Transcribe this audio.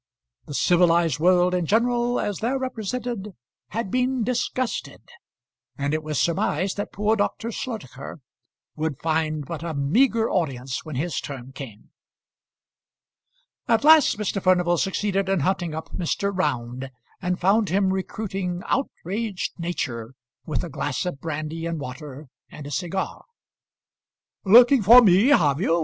The civilised world in general, as there represented, had been disgusted, and it was surmised that poor Dr. Slotacher would find but a meagre audience when his turn came. At last Mr. Furnival succeeded in hunting up Mr. Round, and found him recruiting outraged nature with a glass of brandy and water and a cigar. "Looking for me, have you?